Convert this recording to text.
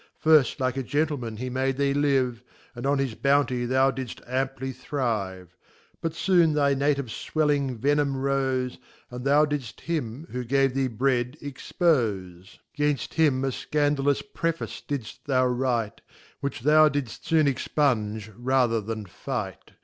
Firft like a Gentleman he made thee live; And on his Bounty thou didft amply thrive. But foon thy Native fwdling Venom rofe, And thou didft him, who gave thee Bread, expofe. Gainft him a fcanoalous Preface didft thou write* Which thou didft foon expunge, rather than fight.